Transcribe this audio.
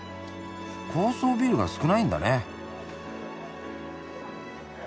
高層ビルが少ないんだね。